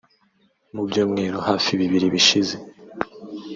Mu byumweru hafi bibiri bishize